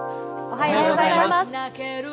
おはようございます。